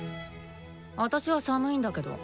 あたしは寒いんだけど。